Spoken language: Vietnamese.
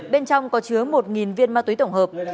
bên trong có chứa một viên ma túy tổng hợp